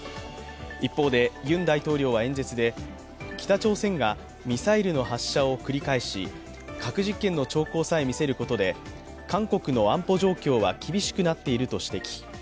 一方で、ユン大統領は演説で北朝鮮がミサイルの発射を繰り返し核実験の兆候さえ見せることで韓国の安保状況は厳しくなっていると指摘。